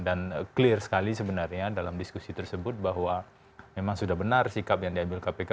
dan clear sekali sebenarnya dalam diskusi tersebut bahwa memang sudah benar sikap yang diambil kpk